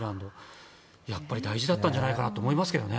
やはり大事だったんじゃないかと思いますけどね。